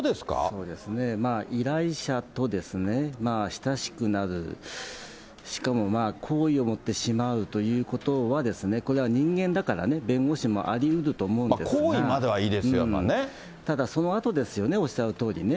そうですね、依頼者とですね、親しくなる、しかもまあ、好意を持ってしまうということは、これは人間だからね、好意まではいいですよ、まあただそのあとですよね、おっしゃるとおりね。